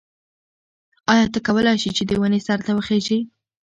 ایا ته کولای شې چې د ونې سر ته وخیژې؟